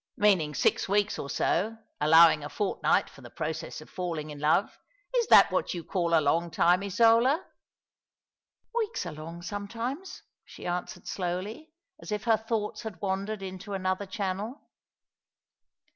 "Meaning six weeks or so— allowing a fortnight for the process of falling in love. Is that what you call a long time, Isola ?"" "Weeks are long sometimes," she answered, slowly, as if her thoughts had wandered into another channel.